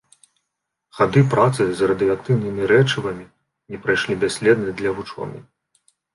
Гады працы з радыеактыўнымі рэчывамі не прайшлі бясследна для вучонай.